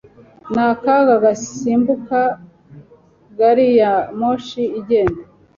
Ni akaga gusimbuka gari ya moshi igenda.